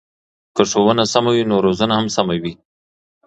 که ښوونه سمه وي نو روزنه هم سمه وي.